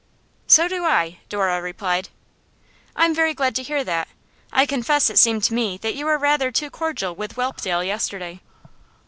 'So do I,' Dora replied. 'I'm very glad to hear that. I confess it seemed to me that you were rather too cordial with Whelpdale yesterday.